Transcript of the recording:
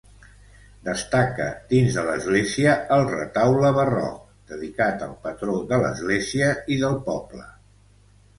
Destaca dins de l'església el retaule barroc dedicat al patró de l'església i del poble.